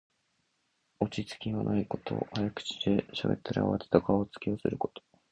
落ち着きがないこと。早口でしゃべり、あわてた顔つきをすること。